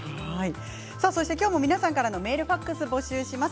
今日も皆さんからのメール、ファックスを募集します。